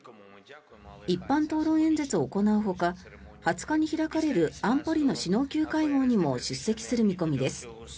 一般討論演説を行うほか２０日に開かれる安保理の首脳級会合にも出席する見込みです。